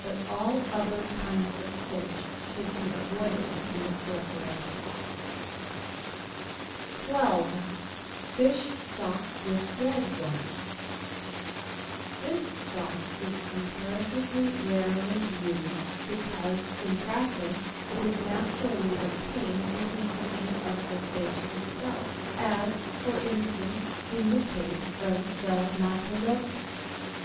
But all other kinds of fish should be avoided in the preparation. 12— FISH STOCK WITH RED WINE "" This stock is comparatively rarely used, because, in practice, it is naturally obtained in the cooking of the fish itself, as, for instance, in the case of the " Matelotes."